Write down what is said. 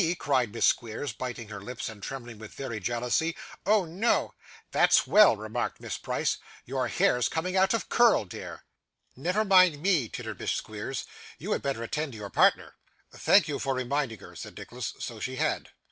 cried Miss Squeers, biting her lips, and trembling with very jealousy. 'Oh no!' 'That's well,' remarked Miss Price. 'Your hair's coming out of curl, dear.' 'Never mind me,' tittered Miss Squeers; 'you had better attend to your partner.' 'Thank you for reminding her,' said Nicholas. 'So she had.